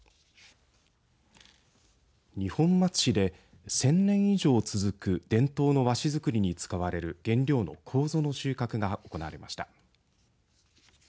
二本松市で１０００年以上続く伝統の和紙作りに使われる原料のこうぞの収穫が行われました。